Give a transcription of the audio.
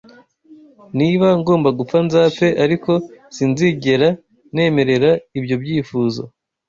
Niba ngomba gupfa, nzapfe; ariko sinzigera nemerera ibyo byifuzo